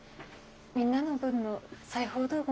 みんなの分の裁縫道具